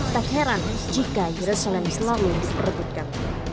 tak heran jika yerusalem selalu diperebutkan